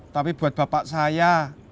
tapi buat bapak saya